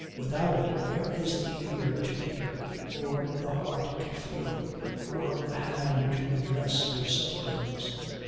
without it, where is the ear to hear, or the heart to feel, or the hand to redress their sufferings?